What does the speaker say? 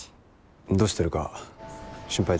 どうしてるか心配でさ。